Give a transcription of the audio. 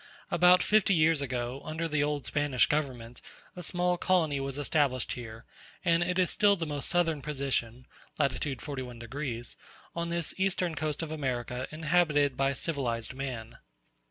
About fifty years ago, under the old Spanish government, a small colony was established here; and it is still the most southern position (lat. 41 degs.) on this eastern coast of America inhabited by civilized man.